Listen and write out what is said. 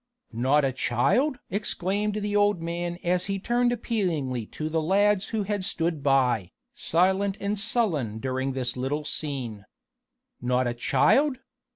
"Not a child?" exclaimed the old man as he turned appealingly to the lads who had stood by, silent and sullen during this little scene. "Not a child?